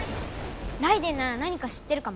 ライデェンならなにか知ってるかも。